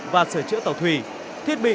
và sở chữa tàu thủy thiết bị